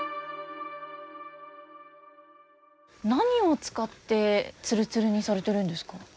何を使ってツルツルにされてるんですか。